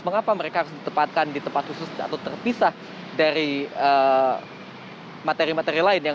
mengapa mereka harus ditempatkan di tempat khusus atau terpisah dari materi materi lain